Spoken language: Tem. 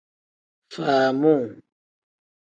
Faamuu.